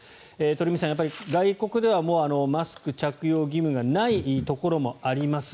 鳥海さん、外国ではマスク着用義務がないところもあります。